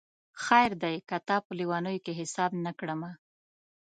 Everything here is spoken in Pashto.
خیر دی که تا په لېونیو کي حساب نه کړمه